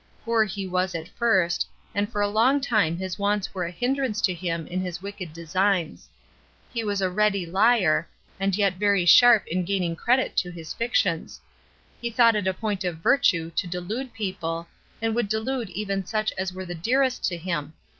Poor he was at first, and for a long time his wants were a hinderance to him in his wicked designs. He was a ready liar, and yet very sharp in gaining credit to his fictions: he thought it a point of virtue to delude people, and would delude even such as were the dearest to him.